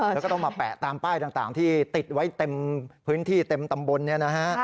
แล้วก็ต้องมาแปะตามป้ายต่างที่ติดไว้เต็มพื้นที่เต็มตำบลเนี่ยนะฮะ